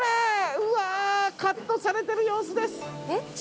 うわカットされてる様子です。